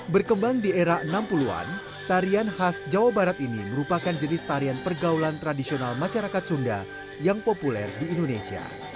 berkembang di era enam puluh an tarian khas jawa barat ini merupakan jenis tarian pergaulan tradisional masyarakat sunda yang populer di indonesia